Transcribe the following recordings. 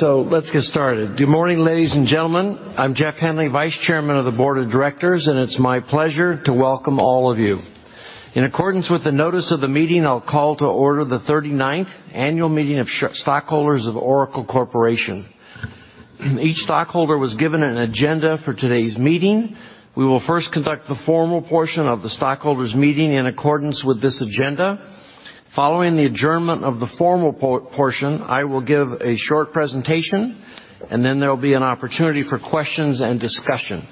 Let's get started. Good morning, ladies and gentlemen. I'm Jeff Henley, vice chairman of the board of directors, and it's my pleasure to welcome all of you. In accordance with the notice of the meeting, I'll call to order the 39th annual meeting of shareholders of Oracle Corporation. Each stockholder was given an agenda for today's meeting. We will first conduct the formal portion of the stockholder's meeting in accordance with this agenda. Following the adjournment of the formal portion, I will give a short presentation. There will be an opportunity for questions and discussion.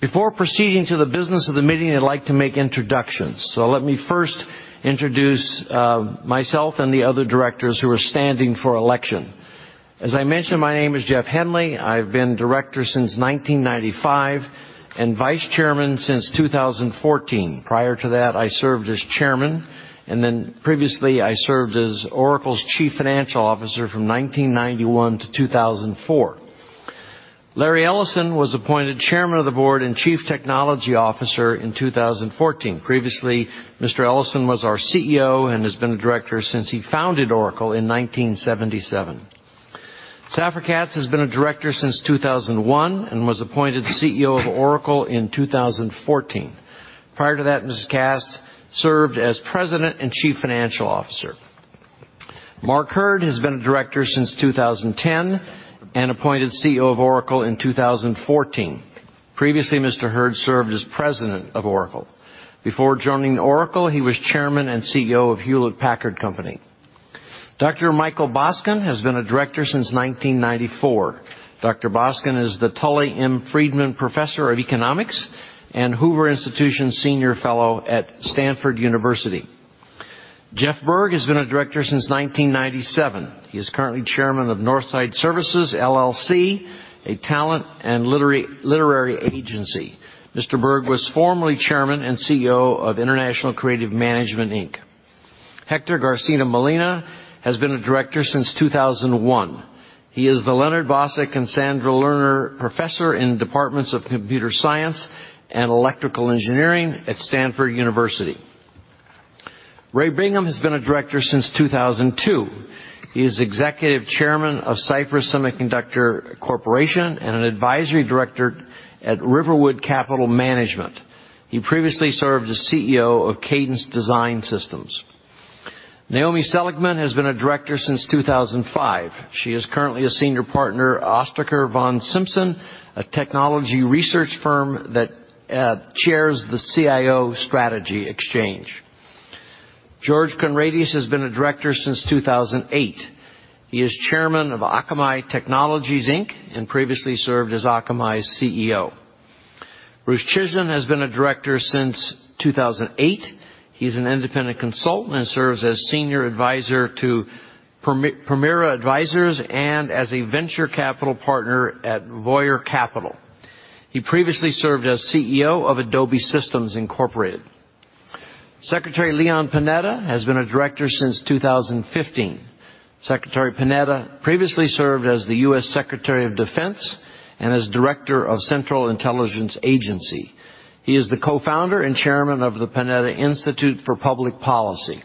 Before proceeding to the business of the meeting, I'd like to make introductions. Let me first introduce myself and the other directors who are standing for election. As I mentioned, my name is Jeff Henley. I've been director since 1995 and vice chairman since 2014. Prior to that, I served as chairman. Previously, I served as Oracle's chief financial officer from 1991 to 2004. Larry Ellison was appointed Chairman of the Board and Chief Technology Officer in 2014. Previously, Mr. Ellison was our CEO and has been a director since he founded Oracle in 1977. Safra Catz has been a director since 2001 and was appointed CEO of Oracle in 2014. Prior to that, Ms. Catz served as President and Chief Financial Officer. Mark Hurd has been a director since 2010 and appointed CEO of Oracle in 2014. Previously, Mr. Hurd served as President of Oracle. Before joining Oracle, he was Chairman and CEO of Hewlett-Packard Company. Dr. Michael Boskin has been a director since 1994. Dr. Boskin is the Tully M. Friedman Professor of Economics and Hoover Institution Senior Fellow at Stanford University. Jeff Berg has been a director since 1997. He is currently Chairman of Northside Services, LLC, a talent and literary agency. Mr. Berg was formerly Chairman and CEO of International Creative Management, Inc. Hector Garcia-Molina has been a director since 2001. He is the Leonard Bosack and Sandra Lerner Professor in the Departments of Computer Science and Electrical Engineering at Stanford University. Ray Bingham has been a director since 2002. He is Executive Chairman of Cypress Semiconductor Corporation and an advisory director at Riverwood Capital Management. He previously served as CEO of Cadence Design Systems. Naomi Seligman has been a director since 2005. She is currently a Senior Partner at Ostriker von Simson, a technology research firm that chairs the CIO Strategy Exchange. George Conrades has been a director since 2008. He is Chairman of Akamai Technologies, Inc. Previously served as Akamai's CEO. Bruce Chizen has been a director since 2008. He is an independent consultant and serves as Senior Advisor to Permira Advisers and as a Venture Capital Partner at Voyager Capital. He previously served as CEO of Adobe Systems Incorporated. Secretary Leon Panetta has been a director since 2015. Secretary Panetta previously served as the U.S. Secretary of Defense and as Director of Central Intelligence Agency. He is the co-founder and Chairman of the Panetta Institute for Public Policy.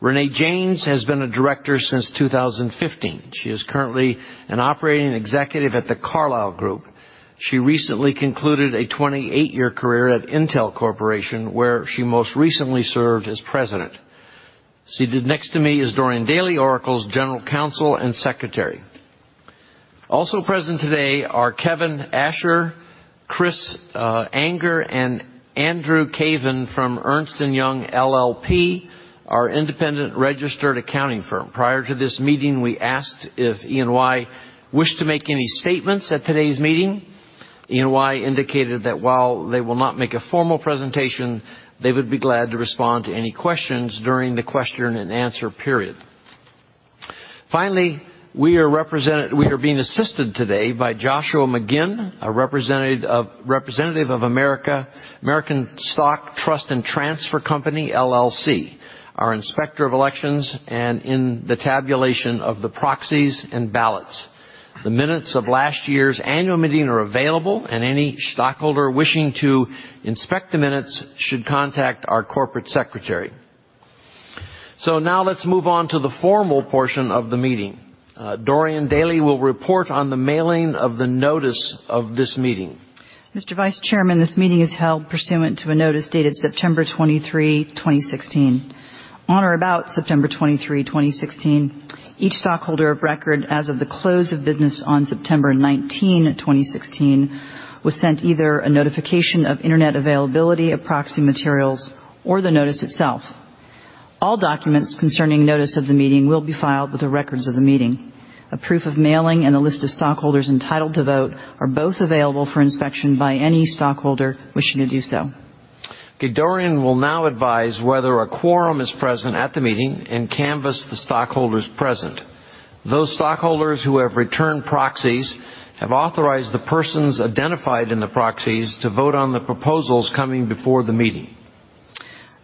Renée James has been a director since 2015. She is currently an Operating Executive at The Carlyle Group. She recently concluded a 28-year career at Intel Corporation, where she most recently served as President. Seated next to me is Dorian Daley, Oracle's General Counsel and Secretary. Also present today are Kevin Asher, Chris Anger, and Andrew Caven from Ernst & Young LLP, our independent registered accounting firm. Prior to this meeting, we asked if E&Y wished to make any statements at today's meeting. E&Y indicated that while they will not make a formal presentation, they would be glad to respond to any questions during the question and answer period. Finally, we are being assisted today by Joshua McGinn, a representative of American Stock Transfer & Trust Company, LLC, our Inspector of Elections, in the tabulation of the proxies and ballots. The minutes of last year's annual meeting are available, any stockholder wishing to inspect the minutes should contact our corporate secretary. Let's move on to the formal portion of the meeting. Dorian Daley will report on the mailing of the notice of this meeting. Mr. Vice Chairman, this meeting is held pursuant to a notice dated September 23, 2016. On or about September 23, 2016, each stockholder of record as of the close of business on September 19, 2016, was sent either a notification of internet availability of proxy materials or the notice itself. All documents concerning notice of the meeting will be filed with the records of the meeting. A proof of mailing and a list of stockholders entitled to vote are both available for inspection by any stockholder wishing to do so. Dorian will now advise whether a quorum is present at the meeting and canvass the stockholders present. Those stockholders who have returned proxies have authorized the persons identified in the proxies to vote on the proposals coming before the meeting.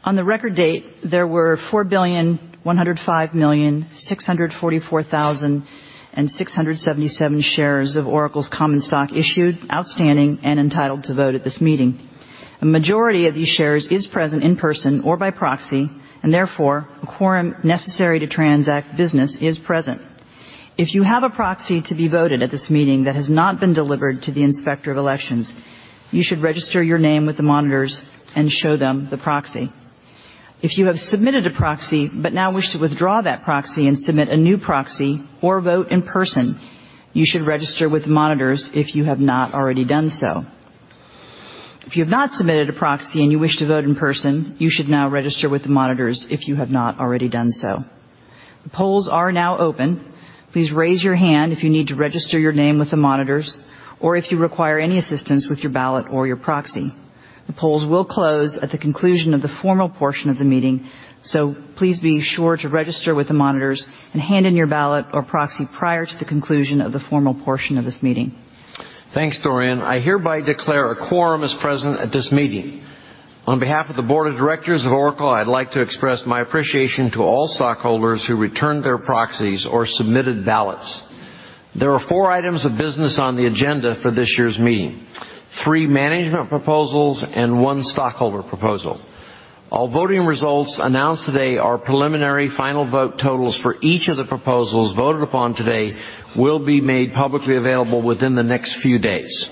On the record date, there were 4,105,644,677 shares of Oracle's common stock issued, outstanding, and entitled to vote at this meeting. A majority of these shares is present in person or by proxy, therefore a quorum necessary to transact business is present. If you have a proxy to be voted at this meeting that has not been delivered to the Inspector of Elections, you should register your name with the monitors and show them the proxy. If you have submitted a proxy but now wish to withdraw that proxy and submit a new proxy or vote in person, you should register with the monitors if you have not already done so. If you have not submitted a proxy and you wish to vote in person, you should now register with the monitors if you have not already done so. The polls are now open. Please raise your hand if you need to register your name with the monitors, or if you require any assistance with your ballot or your proxy. The polls will close at the conclusion of the formal portion of the meeting, please be sure to register with the monitors and hand in your ballot or proxy prior to the conclusion of the formal portion of this meeting. Thanks, Dorian. I hereby declare a quorum is present at this meeting. On behalf of the board of directors of Oracle, I'd like to express my appreciation to all stockholders who returned their proxies or submitted ballots. There are four items of business on the agenda for this year's meeting, three management proposals and one stockholder proposal. All voting results announced today are preliminary final vote totals for each of the proposals voted upon today will be made publicly available within the next few days.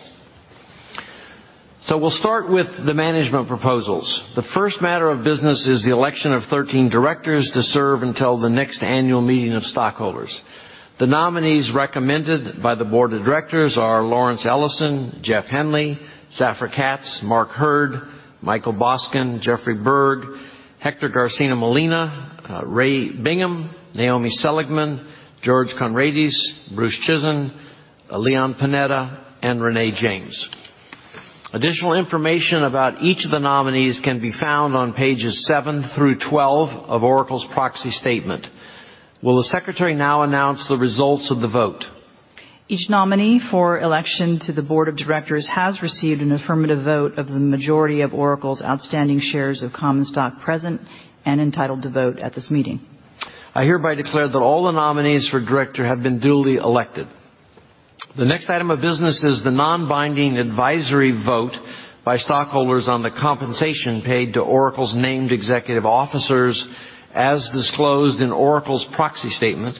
We'll start with the management proposals. The first matter of business is the election of 13 directors to serve until the next annual meeting of stockholders. The nominees recommended by the board of directors are Lawrence Ellison, Jeff Henley, Safra Catz, Mark Hurd, Michael Boskin, Jeffrey Berg, Hector Garcia-Molina, Ray Bingham, Naomi Seligman, George Conrades, Bruce Chizen, Leon Panetta, and Renée James. Additional information about each of the nominees can be found on pages seven through 12 of Oracle's proxy statement. Will the secretary now announce the results of the vote? Each nominee for election to the board of directors has received an affirmative vote of the majority of Oracle's outstanding shares of common stock present and entitled to vote at this meeting. I hereby declare that all the nominees for director have been duly elected. The next item of business is the non-binding advisory vote by stockholders on the compensation paid to Oracle's named executive officers as disclosed in Oracle's proxy statement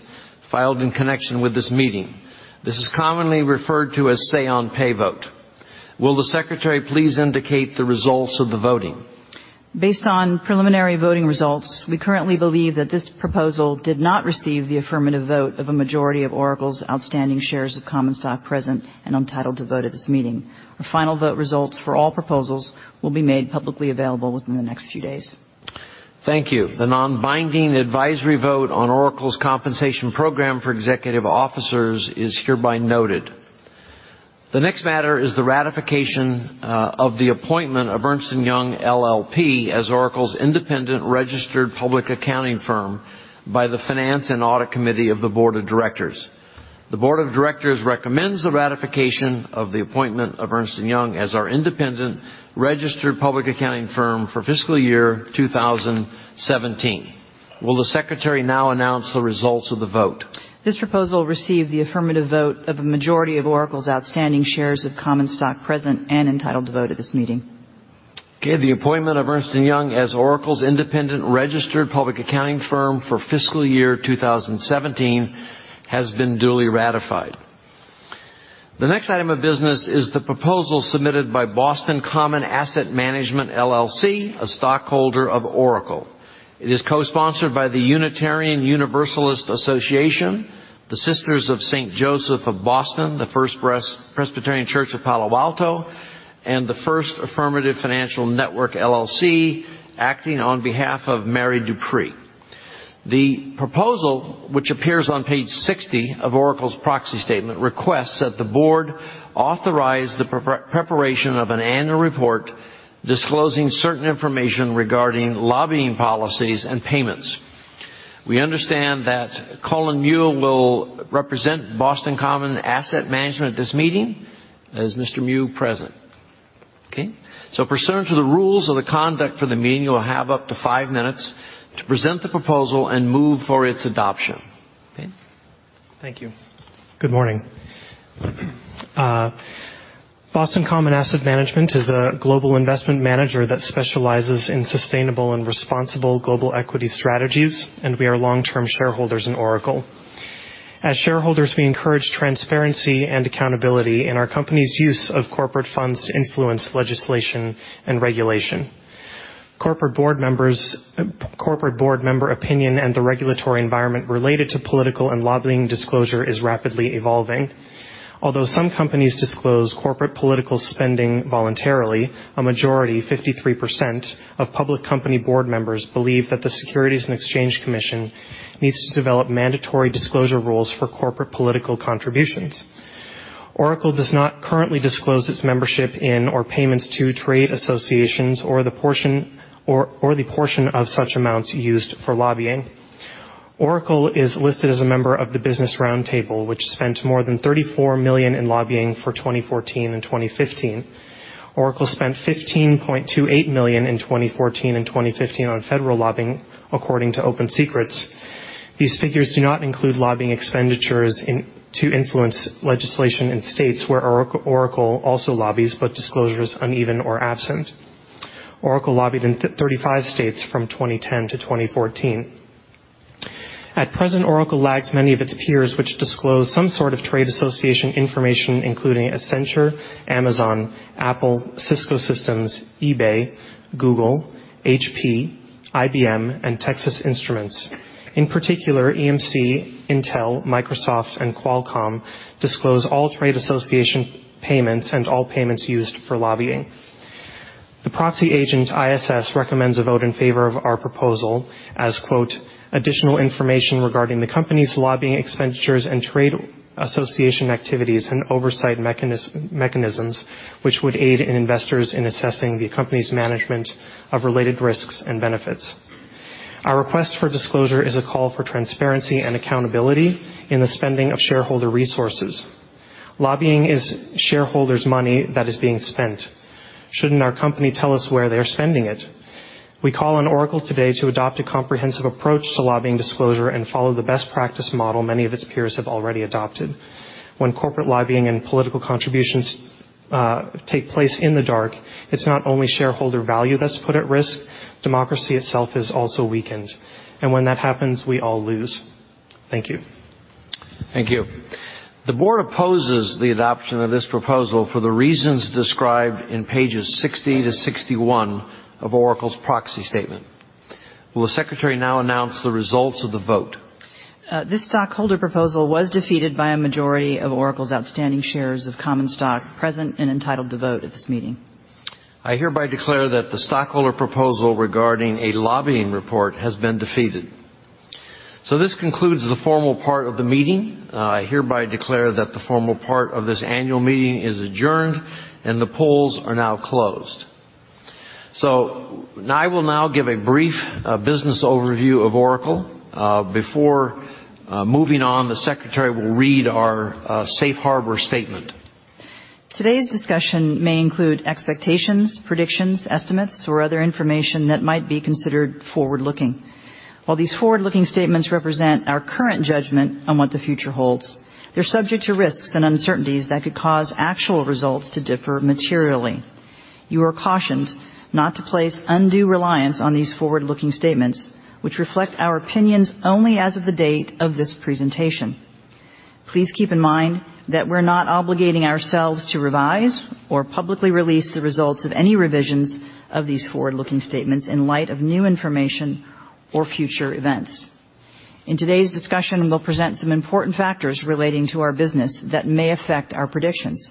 filed in connection with this meeting. This is commonly referred to as say on pay vote. Will the secretary please indicate the results of the voting? Based on preliminary voting results, we currently believe that this proposal did not receive the affirmative vote of a majority of Oracle's outstanding shares of common stock present and entitled to vote at this meeting. The final vote results for all proposals will be made publicly available within the next few days. Thank you. The non-binding advisory vote on Oracle's compensation program for executive officers is hereby noted. The next matter is the ratification of the appointment of Ernst & Young LLP as Oracle's independent registered public accounting firm by the Finance and Audit Committee of the Board of Directors. The Board of Directors recommends the ratification of the appointment of Ernst & Young as our independent registered public accounting firm for fiscal year 2017. Will the secretary now announce the results of the vote? This proposal received the affirmative vote of a majority of Oracle's outstanding shares of common stock present and entitled to vote at this meeting. The appointment of Ernst & Young as Oracle's independent registered public accounting firm for FY 2017 has been duly ratified. The next item of business is the proposal submitted by Boston Common Asset Management LLC, a stockholder of Oracle. It is co-sponsored by the Unitarian Universalist Association, the Sisters of St. Joseph of Boston, the First Presbyterian Church of Palo Alto, and the First Affirmative Financial Network LLC, acting on behalf of Mary Dupree. The proposal, which appears on page 60 of Oracle's proxy statement, requests that the board authorize the preparation of an annual report disclosing certain information regarding lobbying policies and payments. We understand that Colin Mew will represent Boston Common Asset Management at this meeting. Is Mr. Mew present? Pursuant to the rules of the conduct for the meeting, you will have up to five minutes to present the proposal and move for its adoption. Thank you. Good morning. Boston Common Asset Management is a global investment manager that specializes in sustainable and responsible global equity strategies, and we are long-term shareholders in Oracle. As shareholders, we encourage transparency and accountability in our company's use of corporate funds to influence legislation and regulation. Corporate board member opinion and the regulatory environment related to political and lobbying disclosure is rapidly evolving. Although some companies disclose corporate political spending voluntarily, a majority, 53%, of public company board members believe that the Securities and Exchange Commission needs to develop mandatory disclosure rules for corporate political contributions. Oracle does not currently disclose its membership in or payments to trade associations or the portion of such amounts used for lobbying. Oracle is listed as a member of the Business Roundtable, which spent more than $34 million in lobbying for 2014 and 2015. Oracle spent $15.28 million in 2014 and 2015 on federal lobbying, according to OpenSecrets. These figures do not include lobbying expenditures to influence legislation in states where Oracle also lobbies, but disclosures uneven or absent. Oracle lobbied in 35 states from 2010 to 2014. At present, Oracle lags many of its peers, which disclose some sort of trade association information, including Accenture, Amazon, Apple, Cisco Systems, eBay, Google, HP, IBM, and Texas Instruments. In particular, EMC, Intel, Microsoft, and Qualcomm disclose all trade association payments and all payments used for lobbying. The proxy agent, ISS, recommends a vote in favor of our proposal as, quote, "Additional information regarding the company's lobbying expenditures and trade association activities and oversight mechanisms, which would aid in investors in assessing the company's management of related risks and benefits." Our request for disclosure is a call for transparency and accountability in the spending of shareholder resources. Lobbying is shareholders' money that is being spent. Shouldn't our company tell us where they're spending it? We call on Oracle today to adopt a comprehensive approach to lobbying disclosure and follow the best practice model many of its peers have already adopted. When corporate lobbying and political contributions take place in the dark, it's not only shareholder value that's put at risk, democracy itself is also weakened. When that happens, we all lose. Thank you. Thank you. The board opposes the adoption of this proposal for the reasons described on pages 60 to 61 of Oracle's proxy statement. Will the secretary now announce the results of the vote? This stockholder proposal was defeated by a majority of Oracle's outstanding shares of common stock present and entitled to vote at this meeting. I hereby declare that the stockholder proposal regarding a lobbying report has been defeated. This concludes the formal part of the meeting. I hereby declare that the formal part of this annual meeting is adjourned, and the polls are now closed. I will now give a brief business overview of Oracle. Before moving on, the secretary will read our safe harbor statement. Today's discussion may include expectations, predictions, estimates, or other information that might be considered forward-looking. While these forward-looking statements represent our current judgment on what the future holds, they're subject to risks and uncertainties that could cause actual results to differ materially. You are cautioned not to place undue reliance on these forward-looking statements, which reflect our opinions only as of the date of this presentation. Please keep in mind that we're not obligating ourselves to revise or publicly release the results of any revisions of these forward-looking statements in light of new information or future events. In today's discussion, we'll present some important factors relating to our business that may affect our predictions.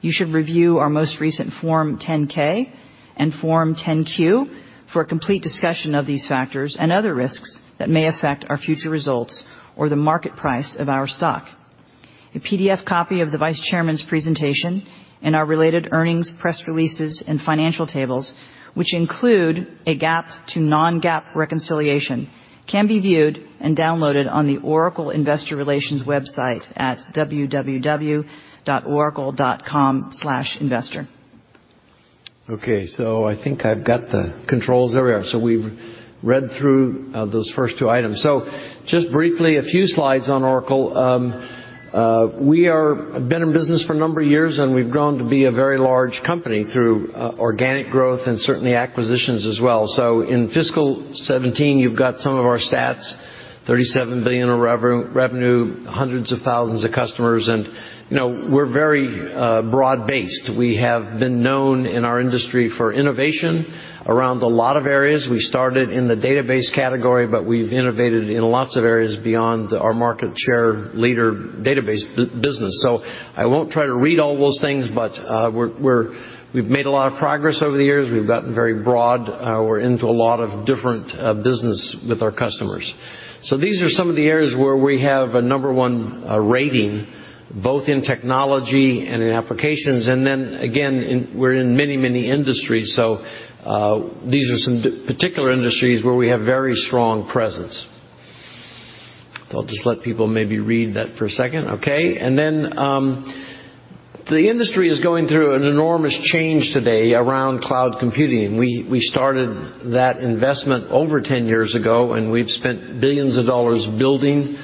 You should review our most recent Form 10-K and Form 10-Q for a complete discussion of these factors and other risks that may affect our future results or the market price of our stock. A PDF copy of the vice chairman's presentation and our related earnings, press releases, and financial tables, which include a GAAP to non-GAAP reconciliation, can be viewed and downloaded on the Oracle investor relations website at www.oracle.com/investor. Okay. I think I've got the controls. There we are. We've read through those first two items. Just briefly, a few slides on Oracle. We've been in business for a number of years, and we've grown to be a very large company through organic growth and certainly acquisitions as well. In fiscal 2017, you've got some of our stats, $37 billion of revenue, hundreds of thousands of customers, and we're very broad-based. We have been known in our industry for innovation around a lot of areas. We started in the database category, but we've innovated in lots of areas beyond our market share leader database business. I won't try to read all those things, but we've made a lot of progress over the years. We've gotten very broad. We're into a lot of different business with our customers. These are some of the areas where we have a number one rating, both in technology and in applications. Again, we're in many, many industries. These are some particular industries where we have very strong presence. I'll just let people maybe read that for a second. Okay. The industry is going through an enormous change today around cloud computing. We started that investment over 10 years ago, and we've spent billions of dollars building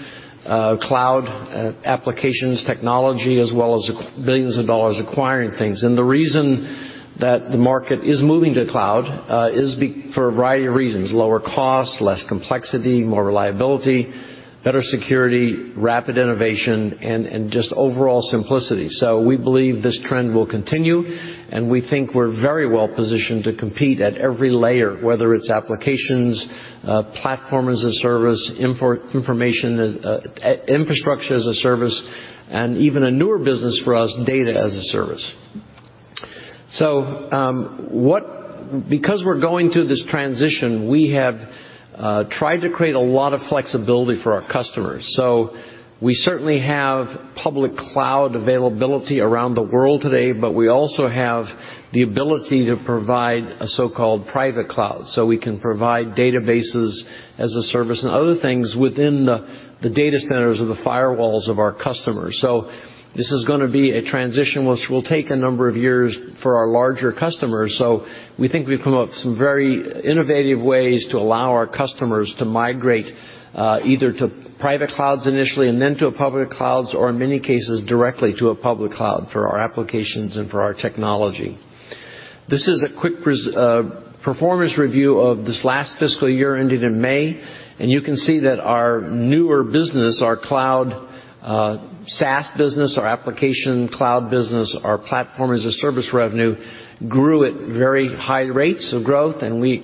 cloud applications technology, as well as billions of dollars acquiring things. The reason that the market is moving to cloud is for a variety of reasons. Lower costs, less complexity, more reliability, better security, rapid innovation, and just overall simplicity. We believe this trend will continue, and we think we're very well-positioned to compete at every layer, whether it's applications, Platform as a Service, Infrastructure as a Service, and even a newer business for us, Data as a Service. Because we're going through this transition, we have tried to create a lot of flexibility for our customers. We certainly have public cloud availability around the world today, but we also have the ability to provide a so-called private cloud. We can provide databases as a service and other things within the data centers of the firewalls of our customers. This is going to be a transition which will take a number of years for our larger customers. We think we've come up with some very innovative ways to allow our customers to migrate, either to private clouds initially, then to public clouds, or in many cases, directly to a public cloud for our applications and for our technology. This is a quick performance review of this last fiscal year ending in May, and you can see that our newer business, our cloud, SaaS business, our application cloud business, our Platform as a Service revenue, grew at very high rates of growth. We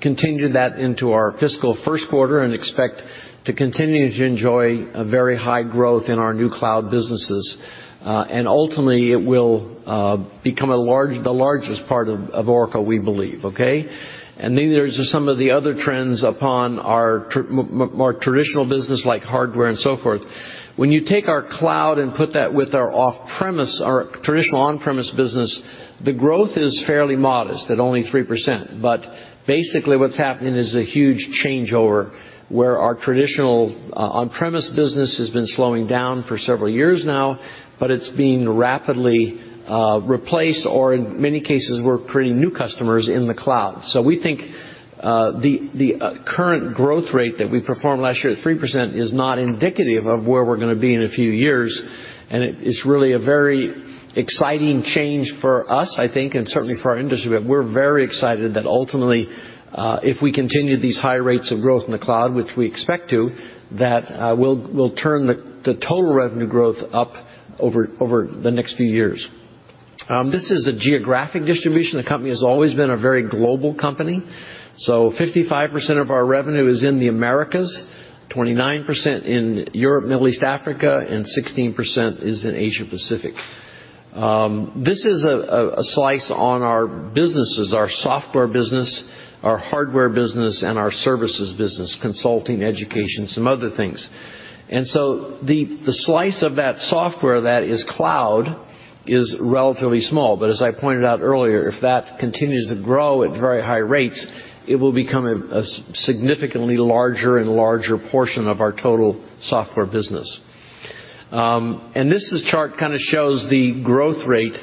continued that into our fiscal first quarter and expect to continue to enjoy a very high growth in our new cloud businesses. Ultimately, it will become the largest part of Oracle, we believe, okay? Then there's some of the other trends upon our more traditional business, like hardware and so forth. When you take our cloud and put that with our traditional on-premise business, the growth is fairly modest at only 3%. Basically what's happening is a huge changeover, where our traditional on-premise business has been slowing down for several years now, but it's being rapidly replaced, or in many cases, we're creating new customers in the cloud. We think the current growth rate that we performed last year at 3% is not indicative of where we're going to be in a few years, and it's really a very exciting change for us, I think, and certainly for our industry. We're very excited that ultimately, if we continue these high rates of growth in the cloud, which we expect to, that will turn the total revenue growth up over the next few years. This is a geographic distribution. The company has always been a very global company. 55% of our revenue is in the Americas, 29% in Europe, Middle East, Africa, and 16% is in Asia Pacific. This is a slice on our businesses, our software business, our hardware business, and our services business, consulting, education, some other things. The slice of that software that is cloud is relatively small. As I pointed out earlier, if that continues to grow at very high rates, it will become a significantly larger and larger portion of our total software business. This chart shows the growth rate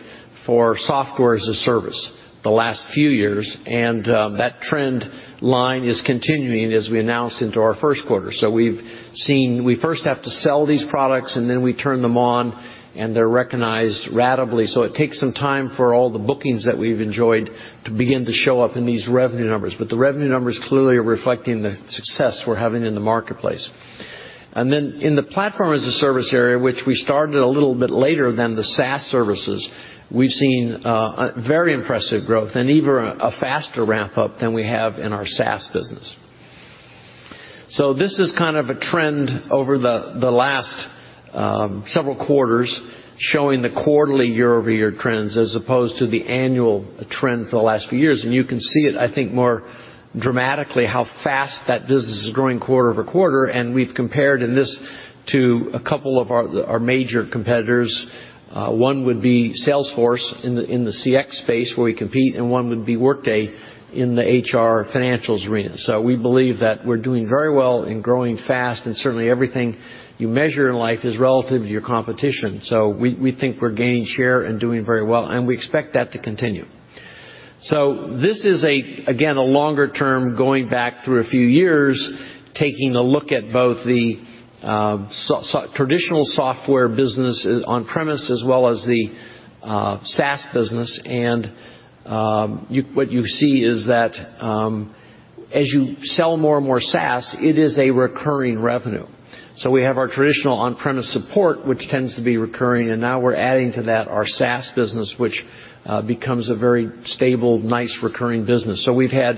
for Software as a Service the last few years, and that trend line is continuing, as we announced, into our first quarter. We first have to sell these products, and then we turn them on, and they're recognized ratably. It takes some time for all the bookings that we've enjoyed to begin to show up in these revenue numbers. The revenue numbers clearly are reflecting the success we're having in the marketplace. In the Platform as a Service area, which we started a little bit later than the SaaS services, we've seen very impressive growth and even a faster ramp-up than we have in our SaaS business. This is a trend over the last several quarters, showing the quarterly year-over-year trends as opposed to the annual trend for the last few years. You can see it, I think, more dramatically how fast that business is growing quarter-over-quarter, and we've compared in this to a couple of our major competitors. One would be Salesforce in the CX space where we compete, and one would be Workday in the HR financials arena. We believe that we're doing very well and growing fast, and certainly everything you measure in life is relative to your competition. We think we're gaining share and doing very well, and we expect that to continue. This is, again, a longer term, going back through a few years, taking a look at both the traditional software business on-premise as well as the SaaS business. What you see is that as you sell more and more SaaS, it is a recurring revenue. We have our traditional on-premise support, which tends to be recurring, and now we're adding to that our SaaS business, which becomes a very stable, nice recurring business. We've had,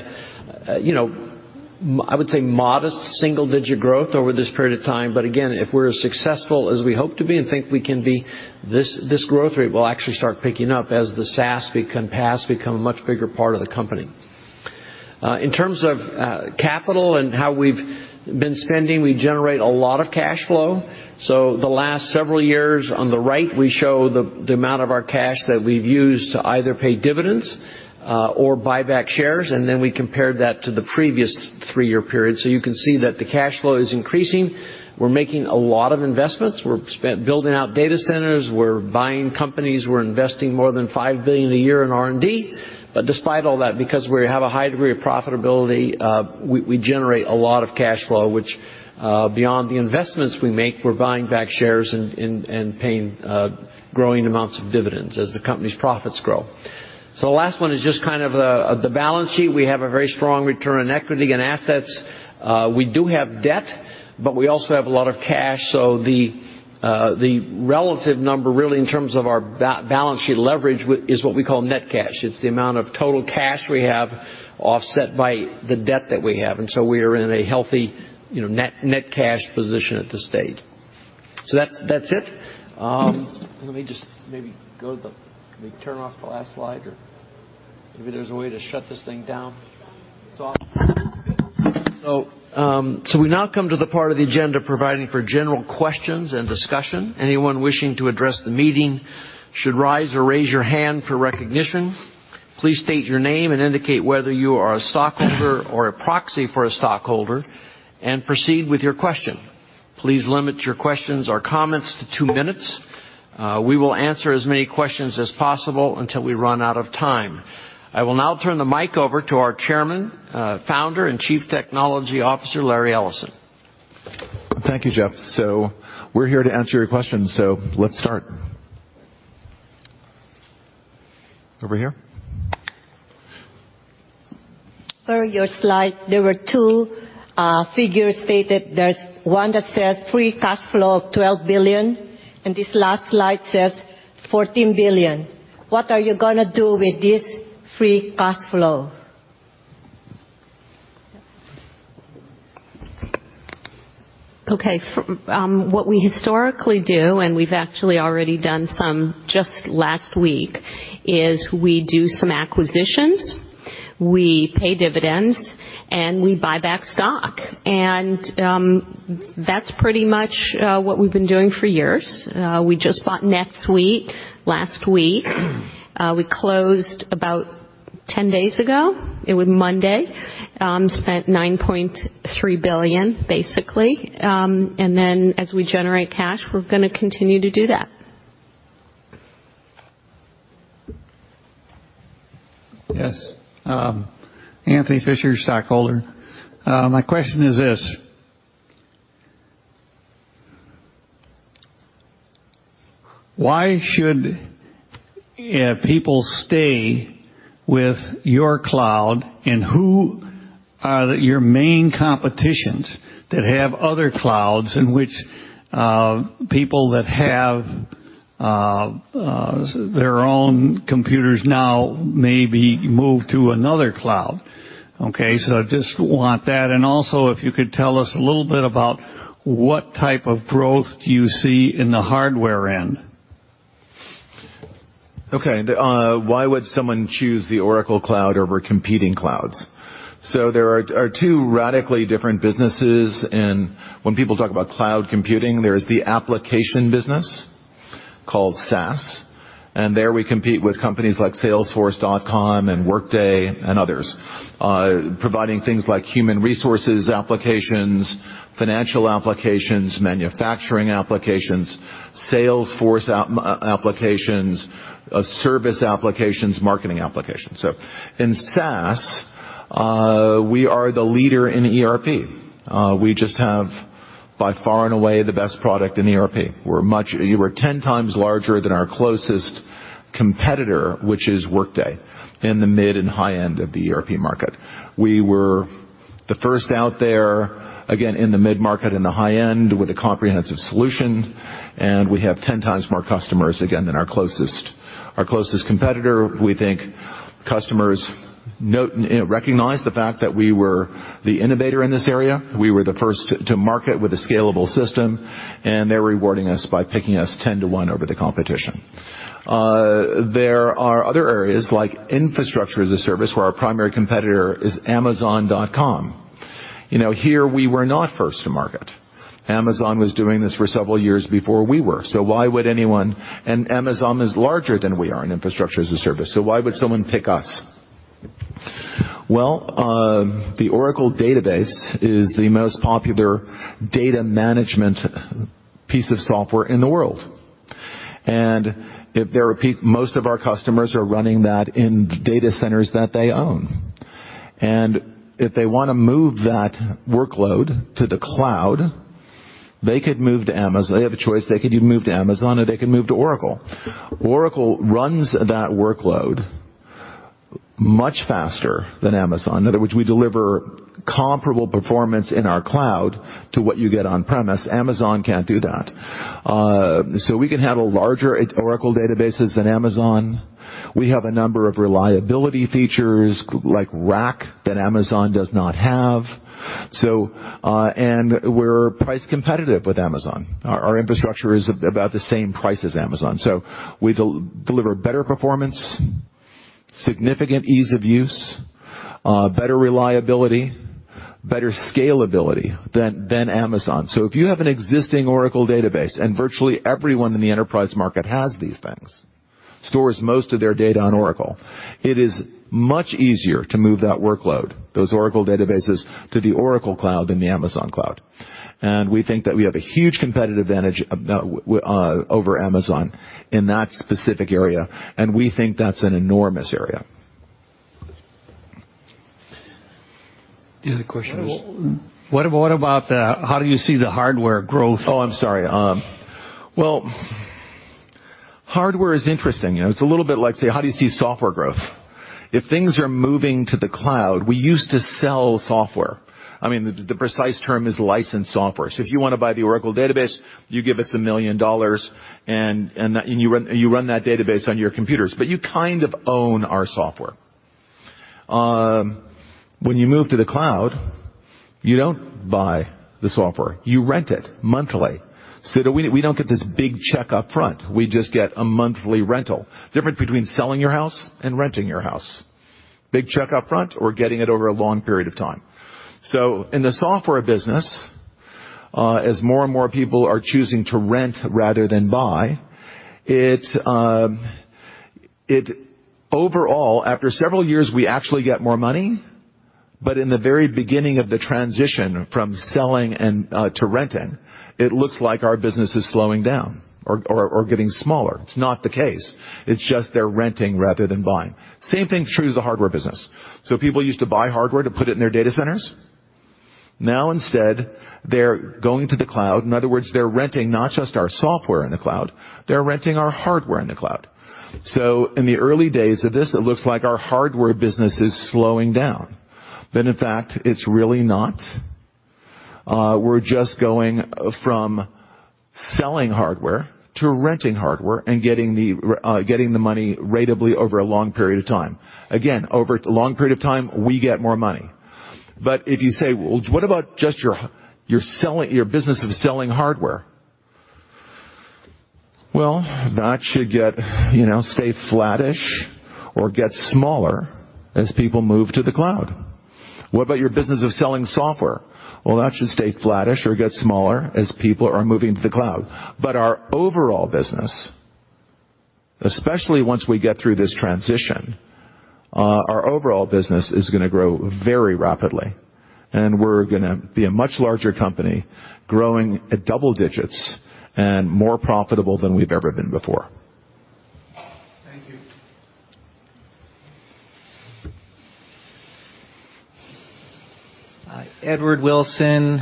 I would say, modest single-digit growth over this period of time. Again, if we're as successful as we hope to be and think we can be, this growth rate will actually start picking up as the SaaS become a much bigger part of the company. In terms of capital and how we've been spending, we generate a lot of cash flow. The last several years, on the right, we show the amount of our cash that we've used to either pay dividends or buy back shares, and then we compared that to the previous three-year period. You can see that the cash flow is increasing. We're making a lot of investments. We're building out data centers. We're buying companies. We're investing more than $5 billion a year in R&D. Despite all that, because we have a high degree of profitability, we generate a lot of cash flow, which, beyond the investments we make, we're buying back shares and growing amounts of dividends as the company's profits grow. The last one is just the balance sheet. We have a very strong return on equity and assets. We do have debt, but we also have a lot of cash. The relative number, really, in terms of our balance sheet leverage, is what we call net cash. It's the amount of total cash we have offset by the debt that we have. We are in a healthy net cash position at this stage. That's it. Let me just maybe turn off the last slide. Maybe there's a way to shut this thing down. It's off. We now come to the part of the agenda providing for general questions and discussion. Anyone wishing to address the meeting should rise or raise your hand for recognition. Please state your name and indicate whether you are a stockholder or a proxy for a stockholder, and proceed with your question. Please limit your questions or comments to two minutes. We will answer as many questions as possible until we run out of time. I will now turn the mic over to our Chairman, Founder, and Chief Technology Officer, Larry Ellison. Thank you, Jeff. We're here to answer your questions, let's start. Over here. Larry, your slide, there were two figures stated. There's one that says free cash flow of $12 billion, this last slide says $14 billion. What are you going to do with this free cash flow? Okay. What we historically do, we've actually already done some just last week, is we do some acquisitions, we pay dividends, we buy back stock. That's pretty much what we've been doing for years. We just bought NetSuite last week. We closed about 10 days ago. It was Monday. Spent $9.3 billion, basically. Then as we generate cash, we're going to continue to do that. Yes. Anthony Fisher, stockholder. My question is this. Why should people stay with your cloud, and who are your main competitors that have other clouds in which people that have their own computers now maybe move to another cloud? I just want that. Also, if you could tell us a little bit about what type of growth do you see in the hardware end? Why would someone choose the Oracle Cloud over competing clouds? There are two radically different businesses, and when people talk about cloud computing, there is the application business called SaaS. There we compete with companies like Salesforce.com and Workday and others providing things like human resources applications, financial applications, manufacturing applications, sales force applications, service applications, marketing applications. In SaaS, we are the leader in ERP. We just have by far and away the best product in ERP. We're 10 times larger than our closest competitor, which is Workday, in the mid and high end of the ERP market. We were the first out there, again, in the mid-market and the high end with a comprehensive solution, and we have 10 times more customers, again, than our closest competitor. We think customers recognize the fact that we were the innovator in this area. We were the first to market with a scalable system, and they're rewarding us by picking us 10 to 1 over the competition. There are other areas like Infrastructure as a Service, where our primary competitor is Amazon.com. Here, we were not first to market. Amazon was doing this for several years before we were. Amazon is larger than we are in Infrastructure as a Service. Why would someone pick us? Well, the Oracle Database is the most popular data management piece of software in the world. Most of our customers are running that in data centers that they own. If they want to move that workload to the cloud, they have a choice. They could either move to Amazon or they can move to Oracle. Oracle runs that workload much faster than Amazon. In other words, we deliver comparable performance in our cloud to what you get on-premise. Amazon can't do that. We can have larger Oracle databases than Amazon. We have a number of reliability features like RAC that Amazon does not have. We're price competitive with Amazon. Our infrastructure is about the same price as Amazon. We deliver better performance, significant ease of use, better reliability, better scalability than Amazon. If you have an existing Oracle Database, and virtually everyone in the enterprise market has these things, stores most of their data on Oracle, it is much easier to move that workload, those Oracle databases, to the Oracle Cloud than the Amazon Cloud. We think that we have a huge competitive advantage over Amazon in that specific area, and we think that's an enormous area. Do you have a question? What about how do you see the hardware growth? Oh, I'm sorry. Hardware is interesting. It's a little bit like, say, how do you see software growth? If things are moving to the cloud, we used to sell software. The precise term is licensed software. If you want to buy the Oracle Database, you give us $1 million and you run that database on your computers, but you kind of own our software. When you move to the cloud, you don't buy the software. You rent it monthly. We don't get this big check up front. We just get a monthly rental. Difference between selling your house and renting your house. Big check up front or getting it over a long period of time. In the software business As more and more people are choosing to rent rather than buy, overall, after several years, we actually get more money. In the very beginning of the transition from selling to renting, it looks like our business is slowing down or getting smaller. It's not the case. It's just they're renting rather than buying. Same thing is true with the hardware business. People used to buy hardware to put it in their data centers. Now instead, they're going to the cloud. In other words, they're renting not just our software in the cloud, they're renting our hardware in the cloud. In the early days of this, it looks like our hardware business is slowing down. When in fact, it's really not. We're just going from selling hardware to renting hardware and getting the money ratably over a long period of time. Again, over a long period of time, we get more money. If you say, "Well, what about just your business of selling hardware?" Well, that should stay flattish or get smaller as people move to the cloud. What about your business of selling software? Well, that should stay flattish or get smaller as people are moving to the cloud. Our overall business, especially once we get through this transition, our overall business is going to grow very rapidly, and we're going to be a much larger company growing at double digits and more profitable than we've ever been before. Thank you. Edward Wilson,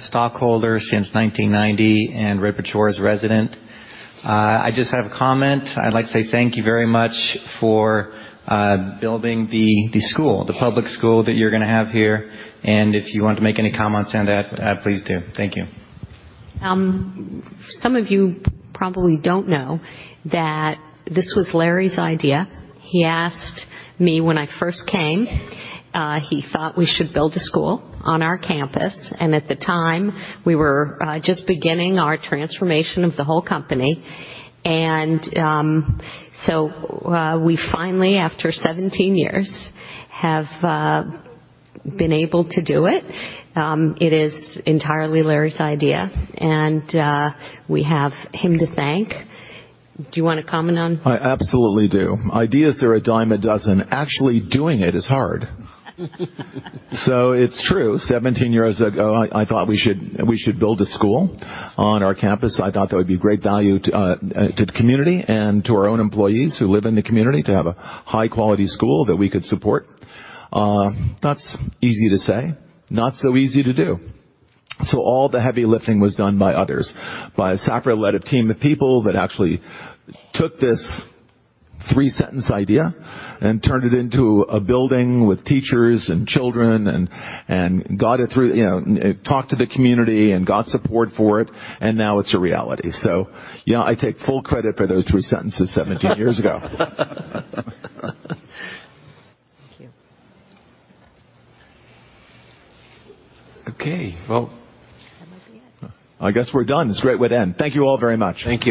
stockholder since 1990 and Redwood Shores resident. I just have a comment. I'd like to say thank you very much for building the school, the public school that you're going to have here. If you want to make any comments on that, please do. Thank you. Some of you probably don't know that this was Larry's idea. He asked me when I first came. He thought we should build a school on our campus, and at the time, we were just beginning our transformation of the whole company. We finally, after 17 years, have been able to do it. It is entirely Larry's idea, and we have him to thank. Do you want to comment on? I absolutely do. Ideas are a dime a dozen. Actually doing it is hard. It's true. 17 years ago, I thought we should build a school on our campus. I thought that would be great value to the community and to our own employees who live in the community to have a high-quality school that we could support. That's easy to say, not so easy to do. All the heavy lifting was done by others, by Safra led a team of people that actually took this three-sentence idea and turned it into a building with teachers and children and got it through, talked to the community and got support for it, and now it's a reality. Yeah, I take full credit for those three sentences 17 years ago. Thank you. Okay. Well That might be it. I guess we're done. It's a great way to end. Thank you all very much. Thank you